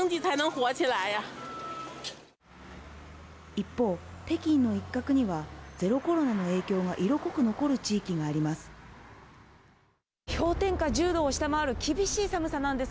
一方、北京の一角には、ゼロコロナの影響が色濃く残る地域があります。